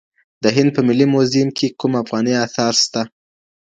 د هند په ملي موزیم کي کوم افغاني اثار سته؟